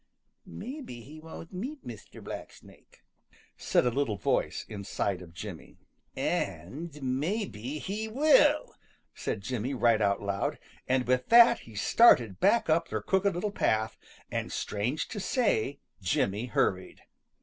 "Maybe he won't meet Mr. Blacksnake," said a little voice inside of Jimmy. "And maybe he will," said Jimmy right out loud. And with that, he started back up the Crooked Little Path, and strange to say Jimmy hurried.